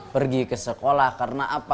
pergi ke sekolah karena apa